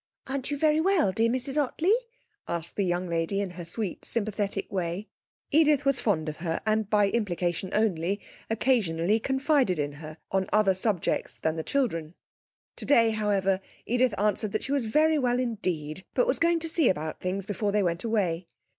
'Aren't you very well, dear Mrs Ottley?' asked this young lady, in her sweet, sympathetic way. Edith was fond of her, and, by implication only, occasionally confided in her on other subjects than the children. Today, however, Edith answered that she was very well indeed, but was going to see about things before they went away.